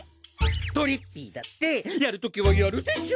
とりっぴいだってやるときはやるでしょ？